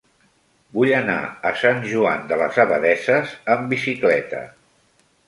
Vull anar a Sant Joan de les Abadesses amb bicicleta.